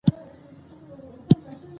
افغانستان د اقلیم له پلوه متنوع دی.